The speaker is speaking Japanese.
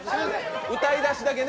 歌い出しだけね。